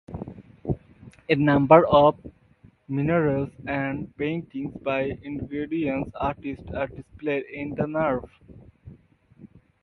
A number of murals and paintings by Indigenous artists are displayed in the nave.